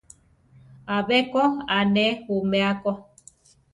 Abé ko a ne umea ko.